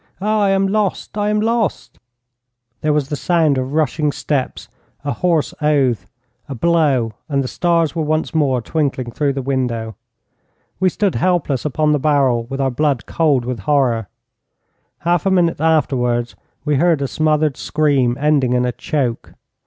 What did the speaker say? Ah, I am lost! I am lost!' There was the sound of rushing steps, a hoarse oath, a blow, and the stars were once more twinkling through the window. We stood helpless upon the barrel with our blood cold with horror. Half a minute afterwards we heard a smothered scream, ending in a choke.